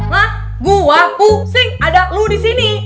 hah gue pusing ada lo disini